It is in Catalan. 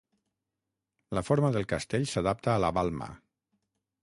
La forma del castell s'adapta a la balma.